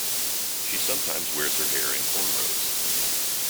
She sometimes wears her hair in cornrows.